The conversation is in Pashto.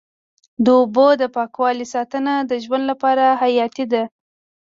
د اوبو د پاکوالي ساتنه د ژوند لپاره حیاتي ده.